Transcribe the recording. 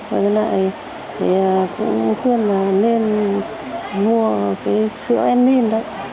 và với lại thì cũng khuyên là nên mua cái sữa enlin đấy